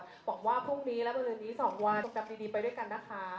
หวังว่าพรุ่งนี้และบริเวณนี้๒วันสุขกับดีไปด้วยกันนะคะ